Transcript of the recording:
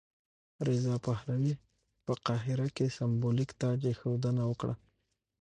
رضا پهلوي په قاهره کې سمبولیک تاجاېښودنه وکړه.